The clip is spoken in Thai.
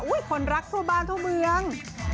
อุ๊ยคนรักโทรบานโทรเมือง